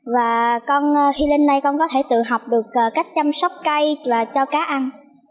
và con khi lên đây con có thể tự học được cách chăm sóc cây và cho cá ăn